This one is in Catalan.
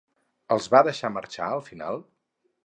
Els va deixar marxar al final?